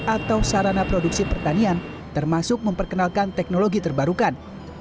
atau sarana produksi pertanian termasuk memperkenalkan teknologi terbarukan